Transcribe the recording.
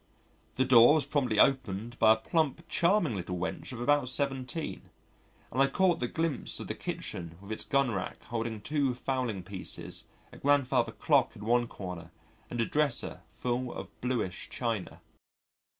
The door was promptly opened by a plump, charming little wench of about 17, and I caught a glimpse of the kitchen with its gunrack holding two fowling pieces, a grandfather clock in one corner and a dresser full of blueish china.